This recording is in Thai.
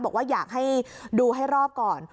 บอกว่าอยากให้ดูให้รอบก่อน